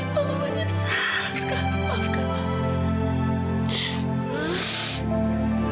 mama menyesal sekali maafkan mama